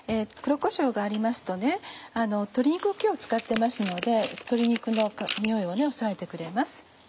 黒こしょうがありますと鶏肉を今日使ってますので鶏肉のにおいを抑えてくれます。